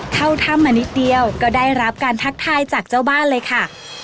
เข้าถ้ำมานิดเดียวก็ได้รับการทักทายจากเจ้าบ้านเลยค่ะ